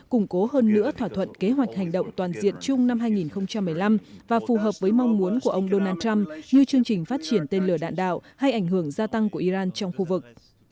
củng cố hơn nữa thỏa thuận kế hoạch hành động toàn diện chung năm hai nghìn một mươi năm và phù hợp với mong muốn của ông donald trump như chương trình phát triển tên lửa đạn đạo hay ảnh hưởng gia tăng của iran trong khu vực